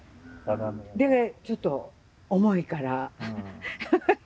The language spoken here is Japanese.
でちょっと重いからハハッ。